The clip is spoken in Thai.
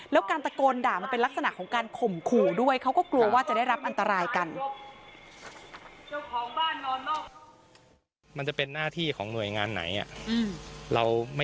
แล้วการตะโกนด่ามันเป็นลักษณะของการข่มขู่ด้วยเขาก็กลัวว่าจะได้รับอันตรายกัน